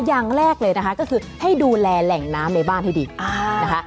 อย่างแรกเลยนะคะก็คือให้ดูแลแหล่งน้ำในบ้านให้ดีนะคะ